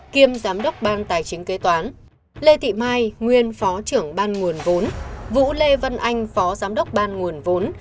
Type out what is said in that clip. kiêm giám đốc ban tài chính kế toán lê thị mai nguyên phó trưởng ban nguồn vốn vũ lê văn anh phó giám đốc ban nguồn vốn